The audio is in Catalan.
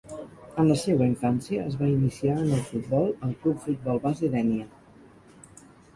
En la seua infància es va iniciar en el futbol al club Futbol Base Dénia.